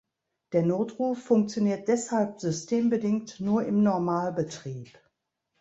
Der Notruf funktioniert deshalb systembedingt nur im Normalbetrieb.